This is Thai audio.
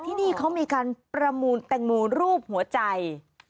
ที่นี่เขามีการประมูลแตงโมรูปหัวใจ